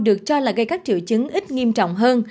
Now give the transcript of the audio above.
được cho là gây các triệu chứng ít nghiêm trọng hơn